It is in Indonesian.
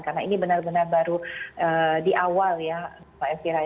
karena ini benar benar baru di awal ya mbak elvira